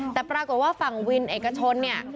แต่ปรากฏว่าฝั่งวินเอกชนเนี่ย